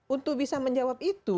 untuk bisa menjawab itu